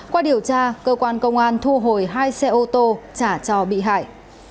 qua điều tra cơ quan công an thu hồi hai xe ô tô trả cho bị hại